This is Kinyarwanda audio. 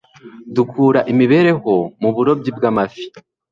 Dukura imibereho mu burobyi bw'amafi